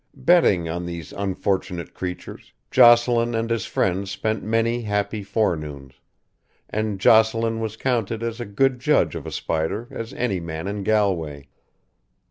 Betting on these unfortunate creatures Jocelyn and his friends spent many happy forenoons, and Jocelyn was counted as good a judge of a spider as any man in Galway.